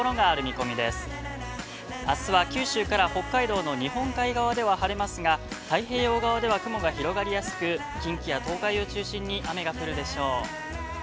あすは九州から北海道の日本海側では晴れますが太平洋側では雲が広がりやすく、近畿や東海を中心に雨が降るでしょう。